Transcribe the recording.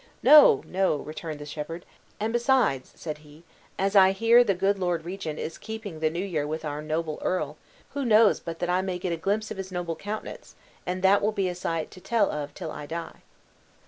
"No, no," returned the shepherd; "and besides," said he, "as I hear the good lord regent is keeping the New Year with our noble earl, who knows but I may get a glimpse of his noble countenance, and that will be a sight to tell of till I die!"